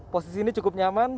posisi ini cukup nyaman